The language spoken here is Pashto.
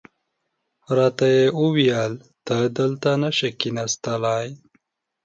راته یې وویل ته دلته نه شې کېناستلای.